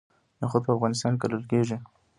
نخود په افغانستان کې کرل کیږي.